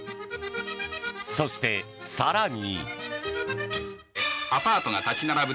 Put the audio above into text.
そして、更に。